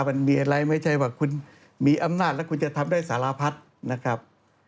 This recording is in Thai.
มันมีอะไรไม่ใช่ว่าคุณมีอำนาจแล้วคุณจะทำได้สารพัดนะครับ